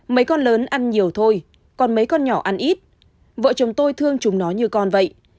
mấy con lớn ăn nhiều thôi còn mấy con nhỏ ăn ít vợ chồng tôi thương chúng nó như con vậy